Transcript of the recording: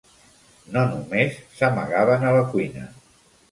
No només s'amagaven a la cuina.